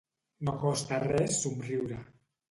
No costa res somriure.